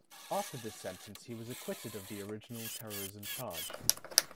After this sentence he was acquitted of the original terrorism charge.